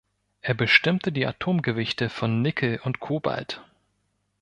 Er bestimmte die Atomgewichte von Nickel und Cobalt.